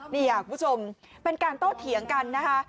นี่ค่ะคุณผู้ชมเป็นการโต้เถียงกันนะคะ